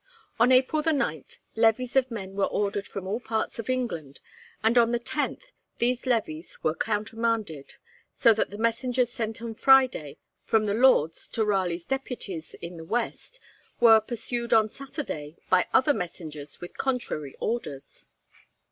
On April 9, levies of men were ordered from all parts of England, and on the 10th these levies were countermanded, so that the messengers sent on Friday from the Lords to Raleigh's deputies in the West, were pursued on Saturday by other messengers with contrary orders.